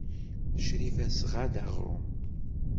Crifa tesɣa-d aɣrum.